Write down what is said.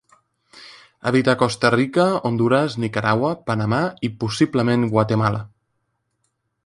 Habita a Costa Rica, Hondures, Nicaragua, Panamà i possiblement Guatemala.